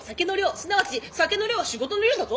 すなわち酒の量は仕事の量だぞ。